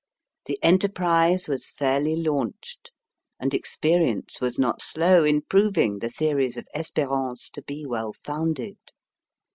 The enterprise was fairly launched, and experience was not slow in proving the theories of Espérance to be well founded.